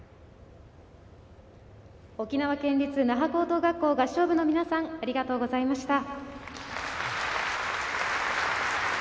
沖縄県立那覇高等学校合唱部の皆さんありがとうございました。